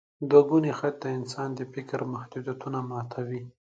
دوګوني خط د انسان د فکر محدودیتونه ماتوي.